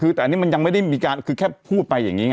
คือแต่อันนี้มันยังไม่ได้มีการคือแค่พูดไปอย่างนี้ไง